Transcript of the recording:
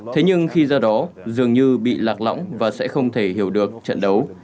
thế nhưng khi ra đó dường như bị lạc lõng và sẽ không thể hiểu được trận đấu